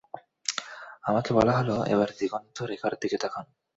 আমাকে বলা হল, এবার দিগন্ত রেখার দিকে তাকান।